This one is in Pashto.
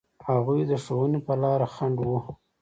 هغوی د ښوونې په لاره خنډ و.